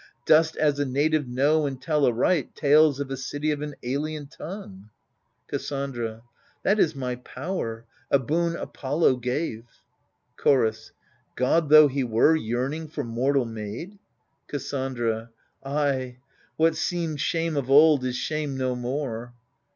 Dost as a native know and tell aright Tales of a city of an alien tongue. Cassandra That is my power — a boon Apollo ^ave. Chorus God though he were, yearning for mortal maid ? Cassandra Ay! what seemed shame of old is shame no more.